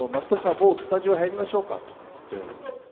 もうスタジオへ入りましょうか」とかって言って。